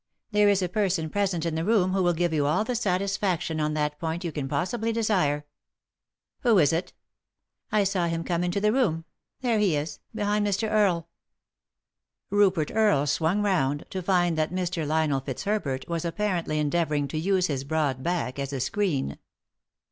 There is a person present in the room who will give you all the satisfaction on that point you can possibly desire." "Who is it? "I saw him come into the room — there he is, behind Mr. Earle." Rupert Earle swung round, to find that Mr. Lionel Fitzherbert was apparently endeavouring to use his broad back as a screen.